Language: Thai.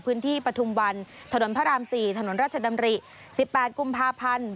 ปฐุมวันถนนพระราม๔ถนนราชดำริ๑๘กุมภาพันธ์